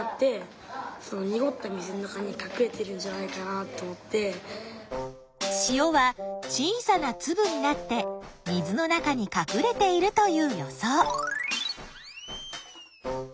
えっと理由はぼくは塩は小さなつぶになって水の中にかくれているという予想。